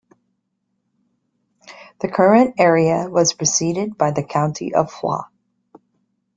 The current area was preceded by the County of Foix.